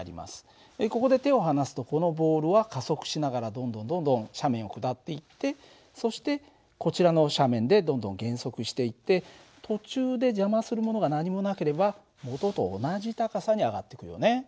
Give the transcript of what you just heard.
ここで手を離すとこのボールは加速しながらどんどんどんどん斜面を下っていってそしてこちらの斜面でどんどん減速していって途中で邪魔するものが何もなければ元と同じ高さに上がってくよね。